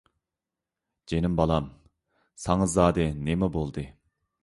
جېنىم بالام، ساڭا زادى نېمە بولدى؟